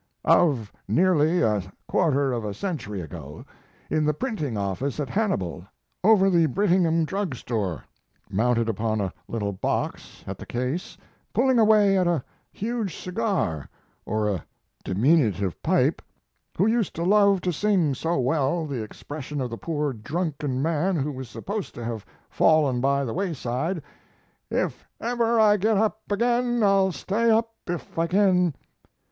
] of nearly a quarter of a century ago, in the printing office at Hannibal, over the Brittingham drugstore, mounted upon a little box at the case, pulling away at a huge cigar or a diminutive pipe, who used to love to sing so well the expression of the poor drunken man who was supposed to have fallen by the wayside: "If ever I get up again, I'll stay up if I kin."...